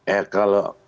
eh kalau menurut saya